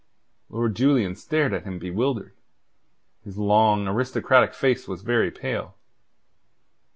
Lord Julian stared at him bewildered. His long, aristocratic face was very pale.